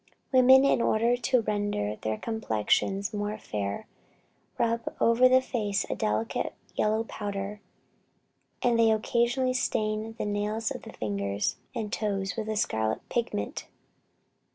Women, in order to render their complexions more fair, rub over the face a delicate yellow powder; and they occasionally stain the nails of the fingers and toes with a scarlet pigment.